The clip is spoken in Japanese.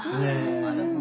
なるほど。